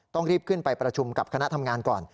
ต้องรีบขึ้นไปประชุมกับคณะทำงานก่อน